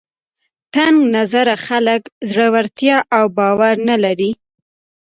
تنګ نظره خلک زړورتیا او باور نه لري